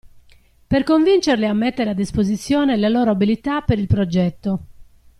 Per convincerli a mettere a disposizione le loro abilità per il progetto.